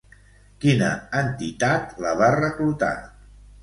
Quina entitat la va reclutar?